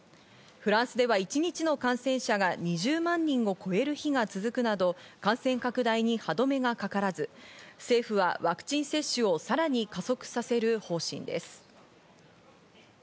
フランスでは一日の感染者が２０万人を超える日が続くなど、感染拡大に歯止めがかからず、政府はワクチン接種をさらに加速させる方針です。